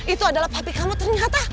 itu adalah papi kamu ternyata